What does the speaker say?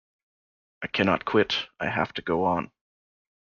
I cannot quit, I have to go on.